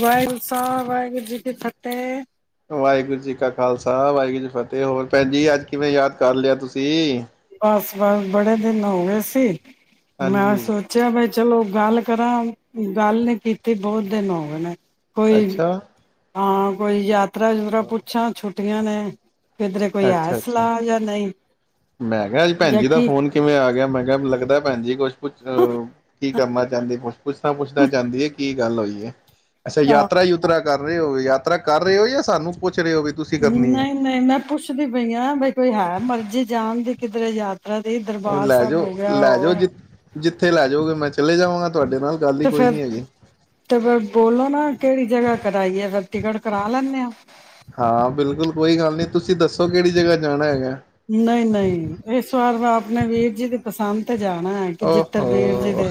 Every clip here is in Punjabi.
ਵਾਹਿਗੁਰੂ ਸਾ ਵਹਿਗੁਰੂ ਜੀ ਦੀ ਫੱਤਿਹ। ਵਾਹਿਗੁਰੂ ਜੀ ਕਾ ਖਾਲਸਾ ਵਾਹਿਗੁਰੂ ਜੀ ਫਤਿਹ। ਹੋਰ ਭੈਣ ਜੀ, ਅੱਜ ਕਿਵੇਂ ਯਾਦ ਕਰ ਲਿਆ ਤੁਸੀਂ ਬਸ -ਬਸ ਬੜੇ ਦਿਨ ਹੋ ਗਏ ਸੀ ਮੈਂ ਹਾਂਜੀ ਸੋਚਿਆ ਬਈ ਚਲੋ ਗੱਲ ਕਰਾਂ। ਗੱਲ ਨੀ ਕੀਤੀ ਬਹੁਤ ਦਿਨ ਹੋ ਗਏ ਨੇ। ਕੋਈ ਅੱਛਾ। ਹਾਂ, ਕੋਈ ਯਾ ਯਾਤਰਾ -ਯੁਤਰਾ ਪੁੱਛਾਂ ਛੁੱਟੀਆਂ ਨੇ, ਕਿਧਰੇ ਕੋਈ ਹੈ ਅੱਛਾ ਅੱਛਾ ਸਲਾਹ ਜਾਂ ਨਹੀਂ। ਮੈਂ ਕਿਹਾ- ਅੱਜ ਭੈਣ ਜਾਂ ਜੀ ਦਾ ਕੀ ਫੋਨ ਕਿਵੇਂ ਆ ਗਿਆ ਮੈਂ ਲੱਗਦਾ ਭੈਣ ਜੀ ਕੁਛ ਕੁਛ ਕੀ ਕਰਨਾ ਚਾਹੁੰਦੇ ਪੁਛ ਪੁੱਛਣਾ- ਪੁੱਛਣਾ ਚਾਹੁੰਦੀ ਏ, ਕੀ ਗੱਲ ਹੋਈ ਏ। [inaudible] ਅੱਛਾ, ਆਹ ਯਾਤਰਾ -ਯੂਤਰਾ ਕਰ ਰਹੇ ਹੋ ਯਾਤਰਾ ਕਰ ਰਹੇ ਹੋ ਜਾਂ ਸਾਨੂੰ ਪੁੱਛ ਰਹੇ ਹੋ ਵੀ ਤੁਸੀਂ ਕਰਨੀ ਹੈ ਨਹੀਂ -ਨਹੀਂ ਮੈਂ ਪੁੱਛਦੀ ਪਈ ਹਾਂ, ਬਈ ਕੋਈ ਹੈ ਮਰਜ਼ੀ ਜਾਣ ਦੀ ਕਿੱਧਰੇ ਯਾਤ ਹ ਲੈ ਜਾਓ, ਲੈ ਜਾਓ ਜੀ, ਜਿੱਥੇ ਲੈ ਜਾਓਗੇ ਮੈਂ ਚਲੇ ਜਾਂਵਗਾ। ਤੇ ਫੇਰ, ਤੇ ਫੇਰ ਬੋਲੋ ਨਾ ਕਿਹੜੀ ਜਗ੍ਹਾ ਕਰਾਈ ਏ ਫਿਰ ਟਿਕਟ ਕਰਾ ਲੈਂਣੇ ਆ। ਹਾਂ ਬਿਲਕੁਲ ਕੋਈ ਗੱਲ ਨਹੀਂ ਤੁਸੀਂ ਦੱਸੋ ਕਿਹੜੀ ਜਗ੍ਹਾ ਜਾਣਾ ਹੈਗਾ। ਨਹੀਂ -ਨਹੀਂ ਇਸ ਵਾਰ ਮੈਂ ਅਪਨੇ ਵੀਰ ਜੀ ਦੀ ਪਸੰਦ ਤੇ ਜਾਣਾ ਹੈ ਕਿ ਔ ਜਿੱਧਰ ਵੀਰ ਜੀ ਹੋ! ਦੇ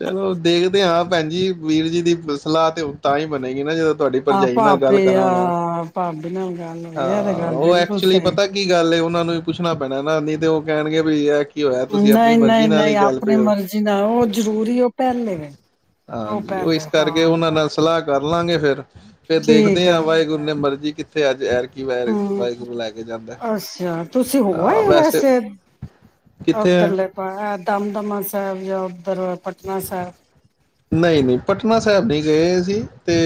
ਚਲੋ ਦੇਖਦੇ ਹਾਂ। ਭੈਣ ਜੀ, ਵੀਰ ਜੀ ਦੀ ਸਲਾਹ ਤੇ ਤਾਂ ਹੀ ਬਣੇਗੀ ਨਾ ਜਦੋਂ ਤੁਹਾਡੀ ਆਹ ਭਰਜਾਈ ਨਾਲ ਗੱਲ ਭਾਬੀ ਆ ਕਰਾਂਗਾ।, ਭਾਬੀ ਨਾਲ ਗੱਲ ਹੋਈ ਇਹ ਤੇ ਹਾਂ ਗੱਲ ਉਹ ਬਿਲਕੁਲ ਐਚੁਲੀ ਸਹੀ ਪਤਾ ਕੀ ਗੱਲ ਏ, ਉਹਨਾਂ ਨੂੰ ਵੀ ਪੁੱਛਣਾ ਪੈਣਾ ਨਈ ਤੇ ਉਹ ਕਹਿਣਗੇ ਵੀ ਇਹ ਕੀ ਹੋਇਆ ਤੁਸੀਂ ਆਪਣੀ ਨਹੀਂ- ਮਰਜ਼ੀ ਨਹੀਂ ਨਾਲ ਹੀ -ਨਹੀਂ ਚੱਲ ਪਏ ਆਪਣੀ ਹੋ ਮਰਜ਼ੀ ਨਾਲ ਉਹ ਜ਼ਰੂਰੀ ਉਹ ਪਹਿਲੇ, ਉਹ ਹਾਂਜੀ ਇਸ ਪਹਿਲੇ, ਕਰਕੇ ਹਾਂ। ਉਹਨਾਂ ਨਾਲ ਸਲਾਹ ਕਰ ਲਾਂਗੇ ਫਿਰ ਫੇਰ ਦੇਖਦੇ ਠੀਕ ਹਾਂ। ਹੈ ਵਾਹਿਗੁਰੂ ਨੇ ਮਰਜ਼ੀ ਕੀਤੀ ਤੇ ਅੱਜ ਔਰ ਕੀ ਵੈਰ ਹਮ, ਵਾਹਿਗੁਰੂ ਲੈ ਕੇ ਜਾਂਦਾ ਅੱਛਾ। ਤੁਸੀਂ ਹੋ ਆਏ ਵੈਸੇ [unintelligible] ਕਿੱਥੇ ਹੈ ਓਦਰ ਦੇ ਪਾਸੇ ਹੈ। ਦਮਦਮਾ ਸਾਹਿਬ ਜਾਂ ਉਧਰ ਪਟਨਾ ਸਾਹਿਬ ਨਈਂ ਨਈਂ, ਪਟਨਾ ਸਾਹਿਬ ਨਈਂ ਗਏ ਅਸੀਂ ਤੇ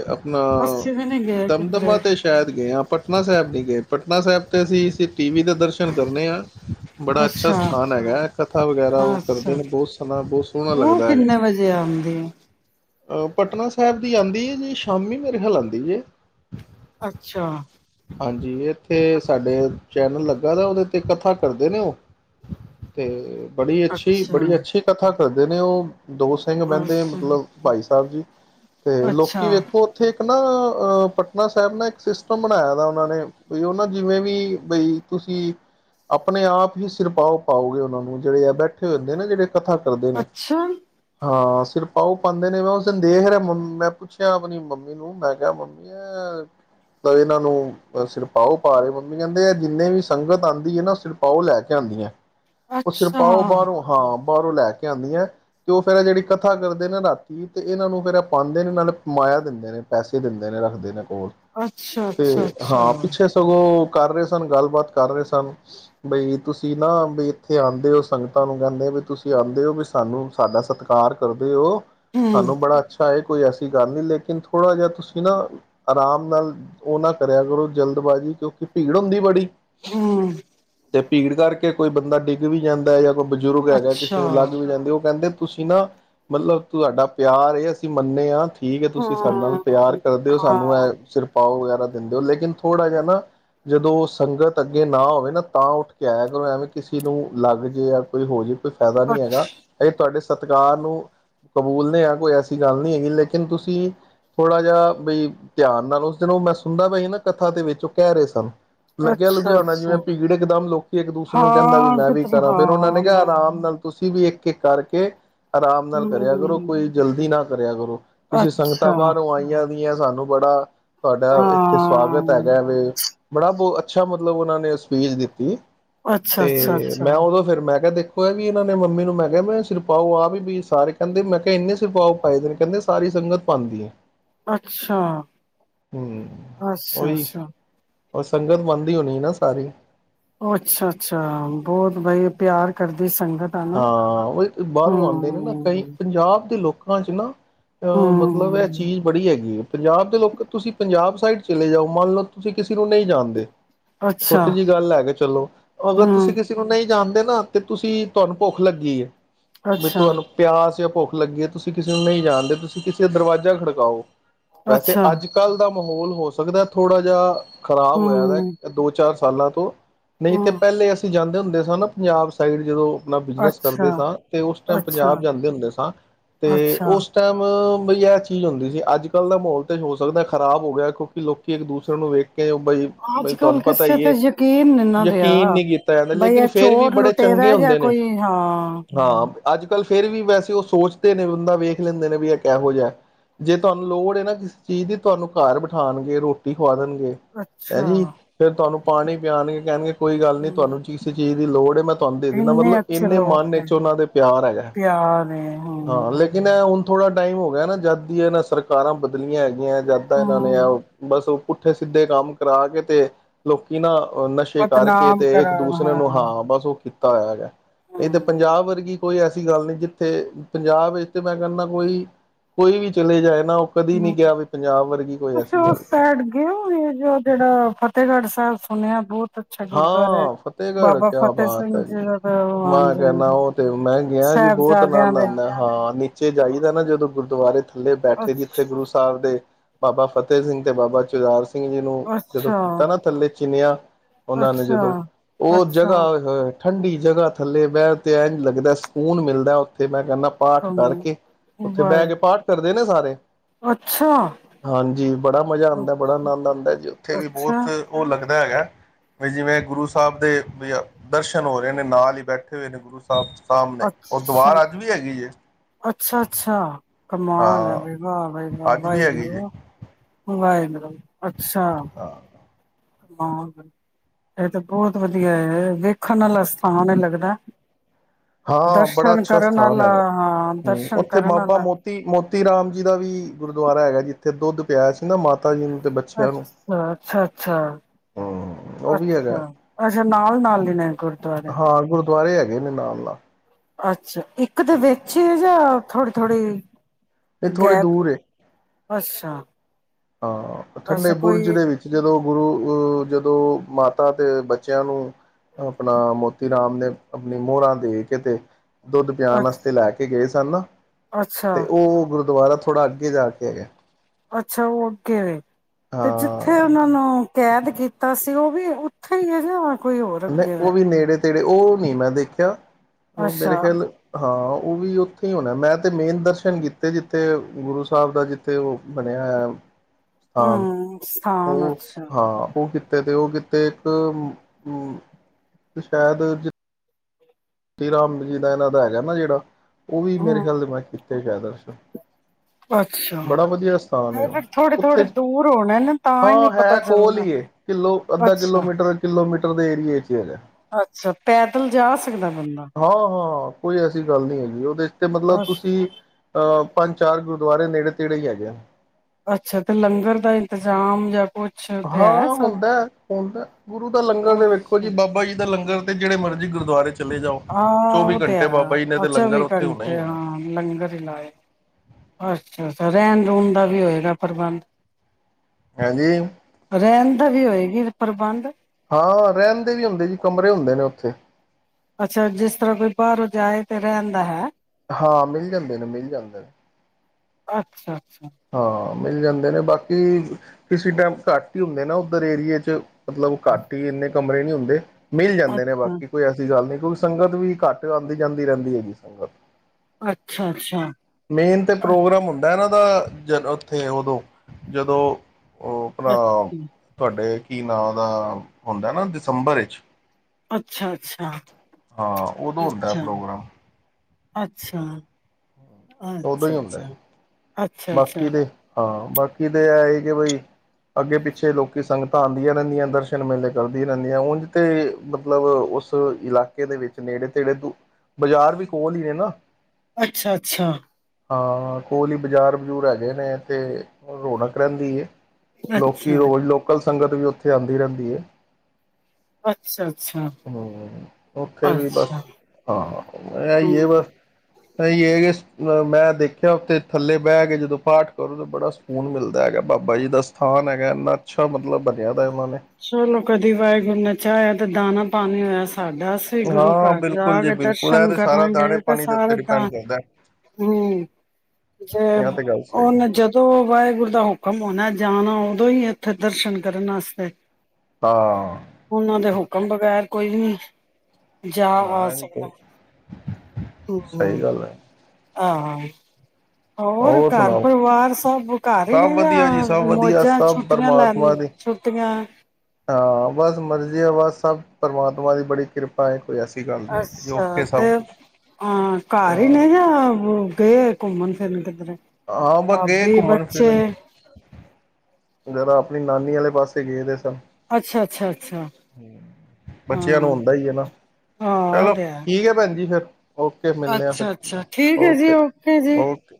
ਅ ਹਾਂ ਅਸੀਂ ਵੀ ਨੀ ਗਏ ਦਮਦਮਾ ਕਿੱਧਰੇ ਤੇ ਸ਼ਾਇਦ ਗਏ ਆਂ, ਪਟਨਾ ਸਾਹਿਬ ਨੀਂ ਗਏ। ਪਟਨਾ ਸਾਹਿਬ ਤੇ ਅਸੀ ਟੀਵੀ ਦੇ ਦਰਸ਼ਨ ਕਰਨੇ ਆ ਬੜਾ ਅੱਛਾ ਸਥਾਨ ਹੈਗਾ ਐ, ਕਥਾ ਵਗੈਰਾ ਉਹ ਕਰਦੇ ਅੱਛਾ ਨੇ ਬਹੁਤ ਸੋਹਣਾ, ਬਹੁਤ ਸੋਹਣਾ ਲੱਗਦਾ ਹੈਗਾ। ਵਜ਼ੇ ਆਉਂਦੀ ਐ? ਅਹ ਪਟਨਾ ਸਾਹਿਬ ਦੀ ਆਂਦੀ ਏ ਜੀ ਸ਼ਾਮੀ ਮੇਰੇ ਖਿਆਲ ਆਂਦੀ ਜੇ। ਅੱਛਾ ਹਾਂਜੀ, ਇੱਥੇ ਸਾਡੇ ਚੈਨਲ ਲੱਗਾ ਦਾ ਉਹਦੇ ਤੇ ਕੱਥਾ ਕਰਦੇ ਨੇ ਉਹ, ਤੇ ਬੜੀ ਅੱਛੀ, ਅੱਛਾ, ਬੜੀ ਅੱਛੀ ਕਥਾ ਕਰਦੇ ਨੇ ਉਹ ਦੋ ਸਿੰਘ ਬਹਿੰਦੇ ਅੱਛਾ, ਮਤਲਬ ਭਾਈ ਸਾਹਿਬ ਜੀ। ਤੇ ਅੱਛਾ, ਲੋਕੀ ਵੇਖੋ ਉੱਥੇ ਇੱਕ ਨਾ ਅਹ ਪਟਨਾ ਸਾਹਿਬ ਨਾ ਇੱਕ ਸਿਸਟਮ ਬਣਾਇਆ ਦਾ ਉਹਨਾਂ ਨੇ, ਉਹ ਨਾ ਜਿਵੇਂ ਵੀਂ ਬਈ ਤੁਸੀਂ ਆਪਣੇ ਆਪ ਹੀ ਸਿਰਪਾਓ ਪਾਓਗੇ ਉਹਨਾਂ ਨੂੰ ਜਿਹੜੇ ਆ ਬੈਠੇ ਹੁੰਦੇ ਨਾ ਜਿਹੜੇ ਕਥਾ ਕਰਦੇ ਨੇ। ਅੱਛਾ, ਹਾਂ ਸਿਰਪਾਓ ਪਾਂਦੇ ਨੇ ਮੈਂ ਉਸ ਦਿਨ ਦੇਖ ਰਿਹਾ ਮੈਂ ਪੁੱਛਿਆ ਆਪਣੀ ਮੰਮੀ ਨੂੰ ਮੈਂ ਕਿਆ ਮੰਮੀ ਐ ਇਹਨਾਂ ਨੂੰ ਸਿਰਪਾਓ ਪਾ ਰਏ ਮੰਮੀ ਕਹਿੰਦੇ ਆਂ ਜਿੰਨੇ ਵੀ ਸੰਗਤ ਆਂਦੀ ਐ ਨਾਂ ਸਿਰਪਾਓ ਲੈ ਕੇ ਆਉਂਦੀਆਂ। ਉਹ ਸਿਰ ਪਾਓ ਅੱਛਾ। ਬਾਹਰੋਂ, ਹਾਂ। ਬਾਹਰੋਂ ਲੈ ਕੇ ਆਂਦੀਆਂ। ਤੇ ਉਹ ਫਿਰ ਜਿਹੜੀ ਕਥਾ ਕਰਦੇ ਨੇ ਰਾਤੀ ਤੇ ਇਹਨਾਂ ਨੂੰ ਫਿਰ ਪਾਂਦੇ ਨੇ ਨਾਲ ਮਾਇਆ ਦਿੰਦੇ ਨੇ, ਪੈਸੇ ਦਿੰਦੇ ਨੇ ਰੱਖਦੇ ਨੇ ਹੋਰ ਅੱਛਾ, ਅੱਛਾ, ਤੇ ਅੱਛਾ, ਹਾਂ ਪਿੱਛੇ ਸਗੋਂ ਕਰ ਰਏ ਸਨ ਗੱਲਬਾਤ ਕਰ ਰਏ ਸਨ ਬਈ ਤੁਸੀਂ ਨਾਂ ਬਈ ਇੱਥੇ ਆਂਦੇ ਔ ਸੰਗਤਾਂ ਨੂੰ ਕਹਿੰਦੇ ਵੀ ਤੁਸੀਂ ਆਂਦੇ ਔ ਵੀ ਸਾਨੂੰ ਸਾਡਾ ਸਤਿਕਾਰ ਕਰਦੇ ਔ ਹੂੰ, ਸਾਨੂੰ ਬੜਾ ਅੱਛਾ ਐ। ਕੋਈ ਐਸੀ ਗੱਲ ਨ੍ਹੀਂ ਲੇਕਿਨ ਥੋੜ੍ਹਾ ਜਿਹਾ ਤੁਸੀਂ ਨਾਂ ਆਰਾਮ ਨਾਲ ਉਹ ਨਾ ਕਰਿਆ ਕਰੋ ਜਲਦਬਾਜ਼ੀ ਕਿਉਂਕਿ ਭੀੜ ਹੁੰਦੀ ਬੜੀ ਹਂ ਤੇ ਭੀੜ ਕਰਕੇ ਕੋਈ ਬੰਦਾ ਡਿੱਗ ਵੀ ਜਾਂਦਾ ਜਾਂ ਬਜ਼ੁਰਗ ਹੈਗਾ ਕਿਸੇ ਅੱਛਾ। ਨੂੰ ਲੱਗ ਵੀ ਜਾਂਦੀ ਉਹ ਕਹਿੰਦੇ ਤੁਸੀਂ ਨਾ ਮਤਲਬ ਤੁਹਾਡਾ ਪਿਆਰ ਅਸੀਂ ਮੰਨਣੇ ਆਂ। ਠੀਕ ਐ, ਤੁਸੀਂ ਸਾਡੇ ਨਾਲ ਤਿਆਰ ਹੂੰ, ਕਰਦੇ ਓ, ਸਾਨੂੰ ਹਾਂ, ਇਹ ਸਿਰਪਾਓ ਜਾਂ [unintelligible] ਦਿੰਦੇ ਹੋ ਲੇਕਿਨ ਥੋੜਾ ਜਿਹਾ ਨਾ ਜਦੋਂ ਸੰਗਤ ਅੱਗੇ ਨਾ ਹੋਵੇ ਨਾ ਤਾਂ ਉੱਠ ਕੇ ਆਇਆ ਕਰੋ ਐਵੇਂ ਕਿਸੇ ਨੂੰ ਲੱਗ ਜੇ ਜਾਂ ਕੋਈ ਹੋ ਜਵੇ ਈ ਫਾਇਦਾ ਨਹੀਂ ਅੱਛ, ਹੈਗਾ ਇਹ ਤੁਹਾਡੇ ਸਤਿਕਾਰ ਨੂੰ ਕਬੂਲੇ ਆਂ ਕੋਈ ਐਸੀ ਗੱਲ ਨ੍ਹੀਂ ਹੈਗੀ ਲੇਕਿਨ ਤੁਸੀਂ ਥੋੜ੍ਹਾ ਜਿਹਾ ਬਈ ਧਿਆਨ ਨਾਲ ਉਸ ਦਿਨ ਉਹ ਮੈਂ ਸੁਣਦਾ ਪਿਆ ਸੀ ਨਾ ਕਥਾ ਦੇ ਵਿੱਚ ਉਹ ਕਹਿ ਰਹੇ ਸਨ। ਲੱਗਿਆ ਲੁਗਿਆ ਅੱਛਾ, ਹੁਣਾ ਜਿਵੇਂ ਅੱਛਾ। ਭੀੜ ਇਕਦਮ ਲੋਕੀ ਇੱਕ ਦੂਸਰੇ ਨੂੰ ਕਹਿੰਦਾ ਵੀ ਹਾਂ, ਮੈਂ ਵੀ ਕਿਧਰ ਕਰਾਂ ਫਿਰ ਉਹਨਾਂ ਨੇ ਹਾਂ ਕਿਆ ਮੈਂ ਆਰਮ ਨਾਲ। ਤੁਸੀਂ ਵੀ ਇੱਕ-ਇੱਕ ਕਰਕੇ ਆਰਾਮ ਨਾਲ ਕਰਿਆ ਕਰੋ ਹੂੰ, ਕੋਈ ਜਲਦੀ ਨਾ ਕਰਿਆ ਕਰੋ। [unintelligible] ਤੁਸੀਂ ਸੰਗਤਾਂ ਅੱਛਾ, ਬਾਹਰੋਂ ਆਈਆਂ। [unintelligible] ਦੀ ਆ ਸਾਨੂੰ ਬੜਾ। [unintelligible] ਤੁਹਾਡਾ, ਇੱਥੇ ਹਾਂ। ਸਵਾਗਤ ਹੈਗਾ ਵੇ ਬੜਾ, ਬਹੁ ਅੱਛਾ ਮਤਲਬ ਉਹਨਾਂ ਨੇ ਸਪੀਚ ਦਿੱਤੀ। ਅੱਛਾ, ਅੱਛਾ, ਤੇ, ਅੱਛਾ, ਮੈਂ ਉਦੋਂ ਫਿਰ ਮੈਂ ਕਿਹਾ ਦੇਖ ਕੋਇ ਵੀ ਇਹਨਾਂ ਨੇ ਮੰਮੀ ਨੂੰ, ਮੈਂ ਕਿਹਾ ਮੈਂ ਸਿਰ ਪਾਓ ਆ ਵੀ, ਸਾਰੇ ਕਹਿੰਦੇ ਮੈਂ ਕਿਹਾ ਇੰਨੇ ਸ ਪਾਓ ਪਾਏ ਦੇ ਨੇ, ਕਹਿੰਦੇ ਸਾਰੀ ਸੰਗਤ ਪਾਂਦੀ ਏ। ਅੱਛਾ-ਅੱਛਾ- ਉਹੀ ਅੱਛਾ। ਉਹ, ਸੰਗਤ ਬਣਦੀ ਹੋਣੀ ਨਾ ਸਾਰੀ। ਉਹ, ਅੱਛਾ- ਅੱਛਾ ਬਹੁਤ ਬਈ ਪਿਆਰ ਕਰਦੀ ਸੰਗ ਹਾਂ, ਉਹ ਬਾਹਰੋਂ ਆਉਂਦੇ ਨੇ ਨਾ, ਕਈ ਪੰਜਾਬ ਦੇ ਲੋਕ ਅੱਜ ਨਾ ਅ ਮਤਲਬ ਇਹ ਹੂੰ, ਚੀਜ਼ ਬੜੀ ਹੈਗੀ ਏ। ਪੰਜਾਬ ਦੇ ਲੋਕ ਤੁਸੀਂ ਪੰਜਾਬ ਸਾਈਡ ਚਲੇ ਜਾਓ, ਮੰਨ ਲਓ ਤੁਸੀਂ ਕਿਸੇ ਨੂੰ ਨਹੀਂ ਜਾਣਦੇ ਅੱਛਾ, ਛੋਟੀ ਜਿਹੀ ਗੱਲ ਹੈ, ਕਿ ਚਲੋ, ਅਗਰ ਤੁਸੀਂ ਹੂੰ, ਕਿਸੇ ਨੂੰ ਨਹੀ ਜਾਨਦੇ ਨਾ ਤੇ ਤੁਸੀਂ ਤੁਹਾਨੂੰ ਭੁੱਖ ਲੱਗੀ ਏ। ਵੀ ਅੱਛਾ, ਤੁਹਾਨੂੰ ਪਿਆਸ ਯਾ ਭੁੱਖ ਲੱਗੀ ਹੈ, ਤੁਸੀਂ ਕਿਸੇ ਨੂੰ ਨਹੀਂ ਜਾਣਦੇ ਤੁਸੀਂ ਕਿਸੇ ਦਾ ਦਰਵਾਜ਼ਾ ਖੜਕਾਓ ਵੈਸੇ, ਅੱਛਾ, ਅੱਜ- ਕੱਲ੍ਹ ਦਾ ਮਾਹੌਲ ਹੋ ਸਕਦਾ, ਥੋੜਾ ਜਿਹਾ ਖ਼ਰਾਬ ਹੋਇਆ ਹੂੰ, ਦੋ, ਚਾਰ ਸਾਲਾਂ ਤੋ ਨਹੀਂ ਤੇ, ਹੂੰ, ਪਹਿਲੇ ਅਸੀਂ ਜਾਂਦੇ ਹੁੰਦੇ। ਦੇਖੋ ਪੰਜਾਬ ਸਾਈਡ ਜਦੋਂ, ਆਪਣਾ ਬਿਜਨਸ ਅੱਛਾ, ਕਰਦੇ ਸਾਂ, ਤੇ ਉਸ ਟਾਈਮ ਅੱਛਾ, ਪੰਜਾਬ ਜਾਂਦੇ ਹੁੰਦੇ ਸਾਂ, ਤੇ ਅੱਛਾ ਉਸ ਟਾਈਮ ਬਈ ਇਹ ਚੀਜ਼ ਹੁੰਦੀ ਸੀ। ਅੱਜ ਕੱਲ੍ਹ ਦਾ ਮਾਹੌਲ ਤੇ, ਹੋ ਸਕਦਾ ਖਰਾਬ ਹੋ ਗਿਆ, ਕਿਉਂਕਿ ਲੋਕੀ ਇੱਕ ਦੂਸਰੇ ਨੂੰ ਵੇਖ ਕੇ ਬਈ ਅੱਜ ਬਈ ਕੱਲ ਤੁਹਾਨੂੰ ਪਤਾ ਕਿਸੇ ਹੀ ਤੇ ਹੈ ਯਕੀਨ ਨੀ ਨਾ ਰਿਹਾ, ਯਕੀਨ ਨਹੀਂ ਕੀਤਾ ਜਾਂਦਾ ਬਈ ਲੇਕਿਨ ਇਹ ਫੇਰ ਵੀ ਚੋਰ- ਬੜੇ ਲੁਟੇਰਾ ਚੰਗੇ ਯਾਂ ਹੁੰਦੇ ਨੇ ਕੋਈ ਹਾਂ। ਹਾਂ ਅੱਜ -ਕੱਲ ਫੇਰ ਵੀ ਵੈਸੇ ਉਹ ਸੋਚਦੇ ਨੇ, ਬੰਦਾ ਵੇਖ ਲੈਂਦੇ ਨੇ ਵੀ, ਇਹ ਕਿਹੋ ਜਿਹਾ ਜੇ ਤੁਹਾਨੂੰ ਲੋੜ ਹੈ ਨਾ, ਕਿਸੇ ਚੀਜ਼ ਦੀ ਤੁਹਾਨੂੰ ਘਰ ਬਿਠਾਣਗੇ ਰੋਟੀ ਖਵਾ ਦੇਣ ਹੈਂ ਅੱਛਾ ਜੀ, ਫੇਰ ਤੁਹਾਨੂੰ ਪਾਣੀ ਪਿਆਣਗੇ, ਕਹਿਣਗੇ ਕੋਈ ਗੱਲ ਨੀ ਹੂੰ, ਤੁਹਾਨੂੰ ਕਿਸੇ ਚੀਜ਼ ਦੀ ਲੋੜ ਏ, ਮੈਂ ਤੁਹਾਨੂੰ ਦੇ ਦਿੰਦਾ ਮਤਲਬ ਅੱਛੇ ਇੰਨੇ, ਲੋਕ ਮਨ ਵਿੱਚ ਨੇ ਉਹਨਾਂ ਦੇ ਪਿਆਰ ਹੈਗਾ। ਪਿਆਰ ਏ ਹੂੰ, ਹਾਂ, ਲੇਕਿਨ ਹੁਣ ਥੋੜਾ ਟਾਈਮ ਹੋ ਗਿਆ ਨਾ, ਜਦ ਦੀਆਂ ਇਹ ਨਾ ਸਰਕਾਰਾਂ ਬਦਲੀਆਂ ਹੈਗੀਆਂ ਜਦ ਦਾ ਇਹਨਾਂ ਨੇ ਹੂੰ ਬਸ ਔ ਪੁੱਠੇ ਸਿੱਧੇ ਕੰਮ ਕਰਾ ਕੇ ਤੇ ਲੋਕੀ ਨਾ ਨਸ਼ੇ ਕਰਕੇ ਬਦਨਾਮ ਤੇ ਇੱਕ ਕਰਾਨ ਦੂਸਰੇ ਨੂੰ ਹਾਂ ਬਸ ਉਹ [unintelligible] ਨਹੀਂ ਤੇ ਹੂੰ, ਪੰਜਾਬ ਵਰਗੀ ਕੋਈ ਐਸੀ ਗੱਲ ਨਹੀਂ, ਜਿੱਥੇ ਪੰਜਾਬ ਵਿੱਚ ਤੇ ਮੈਂ ਕਹਿੰਦਾ ਕੋਈ ਕੋਈ ਵੀ ਚਲੇ ਜਾਏ। ਨਾ ਉਹ ਕਦੀ ਹਮ ਨਹੀਂ ਕਿਹਾ ਵੀ ਪੰਜਾਬ ਵਰਗੀ ਕੋਈ ਤੁਸੀ ਐਸੀ ੳਸ ਗੱਲ ਸਾਈਡ ਗਏ ਹੋ ਜੋ ਜਿਹੜਾ ਫਤਿਹਗੜ੍ਹ ਸਾਹਿਬ ਸੁਨੇਯਾ ਬਹੁਤ ਅੱਛਾ ਗੁਰਦੁਆਰਾ ਹੈ ਹਾਂ ਫਤਿਹਗੜ੍ਹ ਬਾਬਾ ਕਿਆ ਫਤਿਹ ਸਿੰਘ ਬਾਤ ਹੈ ਜੀ, ਦਾ ਤਾਂ ਉਹ ਮੈਂ ਹਾਂਜੀ ਹਾਂਜੀ ਕਹਿਦਾ ਉਹ ਤੇ ਮੈਂ ਗਿਆ ਜੀ ਬਹੁਤ ਸਾਹਿਬਜ਼ਾਦਿਆਂ ਆਨੰਦ ਦੇ ਆੰਦਾ ਹੈ, ਹਾਂ ਨੀਚੇ ਜਾਈਦਾ ਨਾ ਜਦੋਂ ਗੁਰਦੁਆਰੇ ਥੱਲੇ ਬੈਠੇ ਜਿੱਥੇ ਅੱਛਾ ਗੁਰੂ ਸਾਹਿਬ ਦੇ ਬਾਬਾ ਫਤਿਹ ਸਿੰਘ ਤੇ, ਬਾਬਾ ਝੁਜਾਰ ਸਿੰ ਸਿੰਘ ਜੀ ਨੂੰ ਜਦੋਂ ਕੀਤਾ ਨਾ ਥੱਲੇ ਚਿਨਿਆ ਅੱਛਾ ਉਹਨਾਂ ਨੇ ਜਦੋਂ ਅੱਛਾ ਉਹ ਅੱਛਾ ਜਗ੍ਹਾ ਠੰਡੀ ਜਗ੍ਹਾ ਥੱਲੇ ਬੈ ਤੇ ਐਂਝ ਲੱਗਦਾ ਸਕੂਨ ਮਿਲਦਾ ਉੱਥੇ ਮੈਂ ਕਹਿੰਨਾ ਪਾਠ ਕਮ ਕਰਕੇ ਉੱਥੇ ਬਹਿ ਬਾਏ ਕੇ ਪਾਠ ਕਰ ਗਯੇ ਨੇ ਸਾਰੇ। ਅੱਛਾ ਹਾਂਜੀ, ਬੜਾ ਮਜ਼ਾ ਆਂਦਾ ਬੜਾ ਆਨੰਦ ਆਂਦਾ ਜੀ ਉੱਥੇ ਵੀ ਅੱਛਾ ਬਹੁਤ ਉਹ ਲੱਗਦਾ ਹੈਗਾ ਵੀ ਜਿਵੇਂ ਗੁਰੂ ਸਾਬ ਦੇ ਵੀ ਦਰਸ਼ਨ ਹੋ ਰਹੇ ਨੇ ਨਾਲ ਹੀ ਬੈਠੇ ਹੋਏ ਨੇ ਗੁਰੂ ਸਾਹਮਣੇ ਉਹ ਅੱਛਾ ਦੀਵਾਰ ਅੱਜ ਵੀ ਹੈਗੀ ਜੇ। ਅੱਛਾ ਅੱਛਾ ਕਮਾਲ ਹੈ ਹਾਂ ਵ ਵਾਹ ਵਾਹਿ ਵਾਹ ਅੱਜ ਵੀ ਹੈਗੀ ਜੇ ਵਾਹਿਗੁਰੂ ਵਾਹਿ [unintelligible] ਅੱਛਾ। ਹਾਂ ਹਾਂ ਇਹ ਤਾਂ ਬਹੁਤ ਵਧੀਆ ਹੈ। ਵੇਖਣ ਵਾਲਾ ਸਥਾਨ ਹੇ ਲੱਗਦਾ। ਹਾਂ ਬੜਾ ਦਰਸ਼ਨ ਅੱਛਾ ਕਰਨ ਸਥਾਨ ਆਲਾ ਹੈਗਾ, ਹਾਂ ਹਮ ਦਰਸ਼ਨ ਉੱਥੇ ਕਰਨ ਬਾਬਾ ਆਲਾ ਮੋਤੀ ਮੋਤੀ ਰਾਮ ਜੀ ਦਾ ਵੀ ਗੁਰਦੁਆਰਾ ਹੈਗਾ ਜਿੱਥੇ ਥੇ ਦੁੱਧ ਪਿਆ ਸੀ ਨਾ ਮਾਤਾ ਜੀ ਨੂੰ ਤੇ ਬੱਚਿਆਂ ਨੂੰ ਅੱਛਾ ਅੱਛਾ-ਅੱਛਾ ਹਮ ਉਹ ਵੀ ਹੈਗਾ ਅੱਛਾ ਅੱਛਾ, ਨਾਲ ਨਾਲ ਹੀ ਨੇ ਗੁਰਦੁਆਰੇ। ਦੁਆਰੇ ਹੈਗੇ ਨੇ ਨਾਲ ਲਾ ਅੱਛਾ ਇੱਕ ਦੇ ਵਿੱਚ ਹੈ ਜਾਂ ਥੋੜੀ ਥੋੜੀ ਇਹ ਥੋੜੇ ਗੈਪ ਦੂਰ ਏ ਅੱਛਾ ਠੰਡੇ ਅੱਛਾ ਬੁਰਜ ਕੋਈ ਦੇ ਵਿੱਚ ਜਦੋਂ ਗੁਰੂ ਅਹ ਜਦੋਂ ਮਾਤਾ ਤੇ ਬੱਚਿਆਂ ਨੂੰ ਆਪਣਾ ਮੋਤੀ ਰਾਮ ਨੇ ਆਪਣੀ ਮੋਹਰਾਂ ਦੇ ਕੇ ਤੇ ਦੁੱਧ ਪਿਆਨ ਅੱਛ ਵਾਸਤੇ ਲੈ ਕੇ ਗਏ ਸਨ ਅੱਛਾ ਤੇ ਗੁਰਦੁਆਰਾ ਥੋੜਾ ਅੱਗੇ ਜਾ ਕੇ ਹੈਗਾ। ਅੱਛਾ ਉਹ ਅੱਗੇ ਵੇ ਕਿਵੇ ਜਿੱਥੇ ਹਾਂ ਉਹਨਾਂ ਨੂੰ ਕੈਦ ਕੀਤ ਤਾਂ ਅਸੀਂ ਉਹ ਵੀ ਉੱਥੇ ਹੀ ਏ ਯਾਂ ਉਹ ਵੀ ਨੇੜੇ ਤੇੜੇ ਉਹ ਨਹੀਂ ਮੈਂ ਦੇਖਿਆ, ਉਹ ਅੱਛਾ ਮੇਰੇ ਖਿਆਲ ਹਾਂ ਉਹ ਵੀ ਉੱਥੇ ਹੋਣਾ ਮੈਂ ਤੇ ਮੇਨ ਦਰਸ਼ਨ ਕੀਤੇ ਜਿੱਥੇ ਗੁਰੂ ਸਾਹਿਬ ਦਾ ਜਿੱਥੇ ਉਹ ਬਣਿਆ ਹੋਇਆ ਸਥਾਨ ਹਮ ਸਥਾਨ ਅੱਛਾ। ਅਤੇ ਉਹ ਕਿਤੇ ਇੱਕ ਹੂੰ ਸ਼ਾਇਦ ਜ ਸ਼੍ਰੀ ਰਾਮ ਜੀ ਦਾ ਇਹਨਾਂ ਦਾ ਹੈਗਾ ਨਾ ਜਿਹੜਾ ਉਹ ਵੀ ਮੇਰੇ ਹਮ ਖਿਆਲ ਦੇ [unintelligible] ਅੱਛਾ ਬੜਾ ਵਧੀਆ ਸਥਾਨ ਹੈ, ਇਹ ਉਹ ਫਿਰ ਥੋੜੇ ਉੱਥੇ ਥੋੜੇ ਦੂਰ ਹੋਣੇ ਨੇ ਤਾਂ ਹੀ ਹਾਂ ਨਹੀਂ ਹੈ ਪਤਾ ਕੋਲ ਚੱਲਣਾ ਹੀ ਹੈ ਕਿੱਲੋ ਅੱਧਾ ਅੱਛਾ, ਕਿਲੋਮੀਟਰ ਕਿਲੋਮੀਟਰ ਦੇ ਏਰੀਆ ਚ ਹੈਗਾ ਅੱਛਾ ਪੈਦਲ ਜਾ ਸਕਦਾ ਬੰਦਾ ਹਾਂ ਹਾਂ ਕੋਈ ਐਸੀ ਗੱਲ ਨਹੀ ਹੈਗੀ ਉਹਦੇ ਅਤੇ ਮਤਲਬ ਅਸ ਤੁਸੀ ਅਹ ਪੰਜ ਚਾਰ ਗੁਰਦੁਆਰੇ ਨੇੜੇ ਤੇੜੇ ਹੀ ਹੈਗੇ ਨੇ ਅੱਛਾ ਤੇ ਲੰਗਰ ਦਾ ਇੰਤਜ਼ਾਮ ਜਾਂ ਕੁਛ ਤੇ ਹੈ ਹਾਂ ਸਭ ਹੁੰਦਾ ਹੁੰਦਾ ਗੁਰੂ ਦਾ ਲੰਗਰ ਤੇ ਵੇਖੋ ਜੀ ਅੱਛਾ। ਬਾਬਾ ਜੀ ਦਾ ਲੰਗਰ ਜਿਹੜੇ ਮਰਜ਼ੀ ਗੁਰਦੁਆਰੇ ਚ ਹਾਂ ਉਹ ਤੇ ਹੈ ਤੇ ਲੰਗਰ ਚੌਵੀ ਉੱਥੇ ਹੋਣਾ ਹੀ ਘੰਟੇ ਹੋਣਾ ਹਾਂ ਲੰਗਰ ਹੀ ਲਾਏ ਅੱਛ ਅੱਛਾ। ਰਹਿਣ ਰੂਣ ਦਾ ਵੀ ਹੋਏਗਾ ਪ੍ਰਬੰਧ ਹਾਂਜੀ ਰਹਿਣ ਦਾ ਵੀ ਹੋਏ ਇਹ ਪ੍ਰਬੰਧ ਹਾਂ ਰਹਿਣ ਦੇ ਵੀ ਹੁੰਦੇ ਜੀ ਕਮਰੇ ਹੁੰਦੇ ਨੇ ਉੱਥੇ ਅੱਛਾ ਜਿਸ ਤਰ੍ਹਾਂ ਕੋਈ ਬਾਹਰੋਂ ਜਾਏ ਤੇ ਰਹਿੰਦਾ ਹੈ ਹਾਂ ਮਿਲ ਜਾਂਦੇ ਨੇ, ਮਿਲ ਜਾਂਦੇ ਨੇ ਅੱਛਾ। ਅੱਛਾ। ਹਾਂ ਮਿਲ ਜਾਂਦੇ ਨੇਂ ਬਾਕੀ ਕਿਸੀ ਟਾਈਮ ਘੱਟ ਹੀ ਹੁੰਦੇ ਨਾ ਉੱਧਰ ਏਰੀਏ ਚ ਮਤਲਬ ਘੱਟ ਹੀ ਇੰਨੇ ਕਮਰੇ ਨੀ ਹੁੰਦੇ। ਮਿਲ ਜਾਂਦੇ ਨੇ ਅੱਛਾ ਬਾਕੀ ਕੋਈ ਐਸੀ ਗੱਲ ਨਹੀਂ। ਕਿਉਂਕਿ ਸੰਗਤ ਵੀ ਘੱਟ ਆਉਂਦੀ ਜਾਂਦੀ ਰਹਿੰਦੀ ਹੈਗੀ ਸੰਗਤ ਅੱਛਾ ਅੱਛਾ ਮੇਨ ਤੇ ਅੱਛਾ। ਪ੍ਰੋਗਰਾਮ ਹੁੰਦਾ ਹੈ ਨਾ। [unintelligible] ਜਦ ਉੱਥੇ ਉਦੋਂ ਜਦੋਂ ਉਹ ਭਰਾ ਤੁਹਾਡੇ ਕੀ ਨਾਂ ਉਹਦਾ ਹੁੰਦਾ ਹੈ ਨਾ ਦਸੰਬਰ ਵਿੱਚ। ਅੱਛਾ-ਅੱਛਾ ਹਾਂ ਓਦੋਂ ਹੁੰਦਾ ਪ੍ਰੋਗਰਾਮ। ਅੱਛਾ ਉਦੋਂ ਹੀ ਹੁੰਦਾ ਅੱਛਾ-ਅੱਛਾ ਬਾਕੀ ਦੇ ਹਾਂ ਬਾਕੀ ਤੇ ਇਹ ਹੀ ਹੈ ਕਿ ਬਈ ਅੱਗੇ ਪਿੱਛੇ ਲੋਕੀ ਸੰਗਤਾਂ ਆਂਦੀਆਂ ਰਹਿੰਦੀਆਂ ਦਰਸ਼ਨ ਮੇਲੇ ਕਰਦੀ ਹੀ ਰਹਿੰਦੀਆਂ ਉਂਝ ਤੇ ਮਤਲਬ ਉਸ ਇਲਾਕੇ ਦੇ ਵਿੱਚ ਨੇੜੇ ਤੇੜੇ ਤੋਂ ਬਾਜ਼ਾਰ ਵੀ ਕੋਲ ਹੀ ਐ ਨਾ। ਅੱਛਾ-ਅੱਛਾ ਹਾਂ, ਕੋਲ ਹੀ ਬਾਜ਼ਾਰ ਬਜੂਰ ਹੈਗੇ ਨੇ ਤੇ ਰੌਣਕ ਰਹਿੰਦੀ ਹੈ। ਅੱਛਾ, ਲੋਕੀ ਰੋਜ ਲੋਕਲ ਸੰਗਤ ਵੀ ਉੱਥੇ ਆਂਦੀ ਰਹਿੰਦੀ ਐ। ਅੱਛਾ ਹੂੰ ਉੱਥੇ ਵੀ ਬਸ ਹਾਂ ਇਹ ਹੀ ਹੈ ਹੂੰ। ਬਸ ਇਹੀ ਹੈ ਕਿ ਹਾਂ, ਮੈਂ ਦੇਖਿਆ ਉੱਥੇ ਥੱਲੇ ਬਹਿ ਕੇ ਜਦੋ ਪਾਠ ਕਰੋ ਤੇ ਬੜਾ ਸੁਕੂਨ ਮਿਲਦਾ ਹੈਗਾ ਬਾਬਾ ਜੀ ਦਾ ਸਥਾਨ ਹੈਗਾ ਹੈ ਇੰਨਾ ਅੱਛਾ ਮਤਲਬ ਬਣਿਆ। ਦਾ ਉਹਨਾਂ ਨੇ ਚਲੋ ਕਦੀ ਵਾਹਿਗੁਰ ਨੇ ਚਾਹਿਆ ਤੇ ਦਾਨਾ ਪਾਣੀ ਹੋਇਆ ਸਾਡਾ ਅਸੀ ਗੁਰੂ ਹਾਂ ਘਰ ਜਾ ਬਿਲਕੁਲ ਜੀ ਕੇ ਬਿਲਕੁਲ ਇਹ ਦਰਸ਼ਨ ਤੇ ਸਾਰਾ ਕਰਾਂਗੇ ਦਾਣੇ ਤੇ ਪਾਣੀ ਦੇ ਉੱਤੇ ਸਾਰੇ ਦਾਨ ਡਿਪੈਂਡ ਕਰਦਾ ਹੂੰ ਜੇ ਇਹ ਤੇ ਗੱਲ ਸਹੀ ਹੁਣ ਹੈ ਜਦੋਂ ਵਾਹਿਗੁਰੂ ਦਾ ਹੁਕਮ ਹੋਣਾ ਜਾਣਾ ਉਦੋਂ ਹੀ ਹੈ ਉੱਥੇ ਦਰਸ਼ਨ ਕਰਨ ਵਾਸਤੇ। ਹਾਂ ਉਹਨਾਂ ਦੇ ਹੁਕਮ ਵਗੈਰ। ਕੋਈ ਵੀ ਨੀ ਜਾ ਆ ਸਕਦਾ [unintelligible] ਸਹੀ ਹੂੰ ਗੱਲ ਹੈ ਆਹ ਹਾਂ ਹੋਰ ਘਰ ਪਰਿਵਾਰ ਸਭ ਘਰ ਹੀ ਸਭ ਨੇ ਵਧੀਆ ਜੀ ਜਾਂ ਸਭ ਵਧੀਆ ਮੌਜਾਂ ਸਭ ਛੁੱਟੀਆਂ ਲੈ ਪਰਮਾਤਮਾ ਲਈ ਦੀ ਛੁੱਟੀਆਂ ਜੀ ਹੈ ਬਸ ਸਭ ਪਰਮਾਤਮਾ ਦੀ ਬੜੀ ਕਿਰਪਾ ਹੈ। ਕੋਈ ਐਸੀ ਗੱਲ ਨਹੀਂ ਹੈ ਅੱਛਾ ਓਕੇ ਤੇ ਸਭ ਕੁਛ ਹਾਂ ਘਰ ਹੀ ਹਾਂ ਨੇ ਜਾਂ ਗਏ ਹੋਏ ਘੁੰਮਣ। [unintelligible] ਹਾਂ ਬਸ ਗਏ ਭਾਬੀ ਘੁੰਮਣ ਬੱਚੇ, ਫਿਰਨ ਜਰਾ ਆਪਣੀ ਨਾਨੀ ਵਾਲੇ ਪਾਸੇ ਗਏ, ਅੱਛਾ ਅੱਛਾ ਅੱਛਾ ਬੱਚਿਆਂ ਨੂੰ ਹਾਂ ਹੁੰਦਾ ਹੀ ਹੈ, ਨਾ ਹਾਂ ਚਲੋ ਉਹ ਤੇ ਠੀਕ ਹੈ ਭੈਣ ਜੀ ਫੇਰ ਅੱਛਾ ਅੱਛਾ ਠੀਕ ਹੈ ਜੀ ਓਕੇ ਜੀ, ਓਕੇ